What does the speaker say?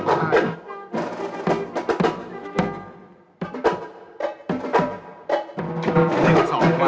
หนึ่งสอง